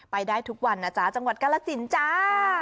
ไปได้ทุกวันจังหวัดกละสินจ้า